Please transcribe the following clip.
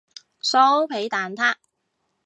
酥皮蛋撻